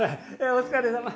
お疲れさま。